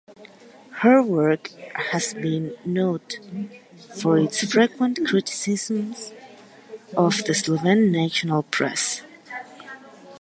Her work has been noted for its frequent criticism of the Slovene national press.